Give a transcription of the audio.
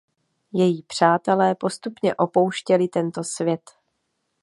Její přátelé postupně opouštěli tento svět.